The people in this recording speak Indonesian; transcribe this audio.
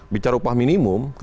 bicara upah minimum